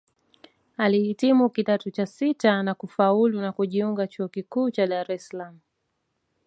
Alihitimu Kidato cha sita na kufaulu na kujiunga Chuo kikuu cha Dar es salaam